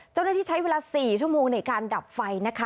เจ้าหน้าที่ใช้เวลา๔ชั่วโมงในการดับไฟนะคะ